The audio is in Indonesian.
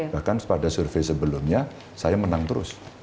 bahkan pada survei sebelumnya saya menang terus